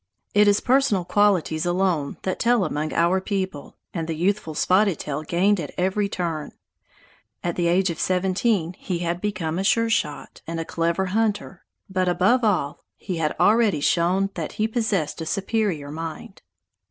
It is personal qualities alone that tell among our people, and the youthful Spotted Tail gained at every turn. At the age of seventeen, he had become a sure shot and a clever hunter; but, above all, he had already shown that he possessed a superior mind.